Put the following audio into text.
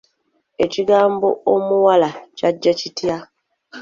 Ekigambo omuwala kyajja kitya?